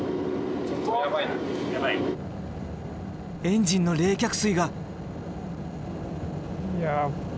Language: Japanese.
エンジンの冷却水が。